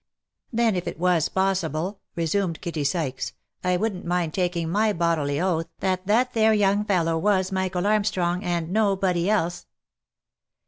"Then if it was possible," resumed Kitty Sykes, " I wouldn't mind taking my bodily oath that that there young fellow was Michael Arm strong, and nobody else."